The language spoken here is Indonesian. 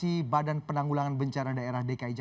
ini kalau sepandang saya gubernur hari ini